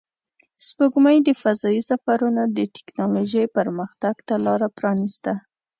سپوږمۍ د فضایي سفرونو د تکنالوژۍ پرمختګ ته لار پرانیسته